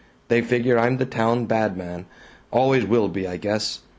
They figure I'm the town badman. Always will be, I guess.